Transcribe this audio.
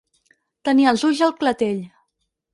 Tenir els ulls al clatell.